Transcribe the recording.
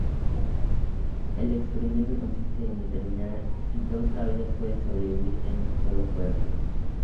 El experimento consiste en determinar si dos cabezas pueden sobrevivir en un solo cuerpo.